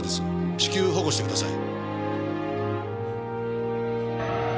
至急保護してください。